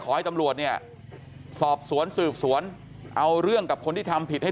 ขอให้ตำรวจเนี่ยสอบสวนสืบสวนเอาเรื่องกับคนที่ทำผิดให้